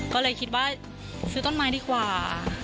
ก็เลยคิดว่าซื้อต้นไม้ดีกว่า